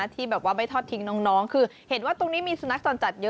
ที่แบบว่าไม่ทอดทิ้งน้องคือเห็นว่าตรงนี้มีสุนัขจรจัดเยอะ